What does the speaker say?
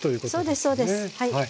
そうですそうです。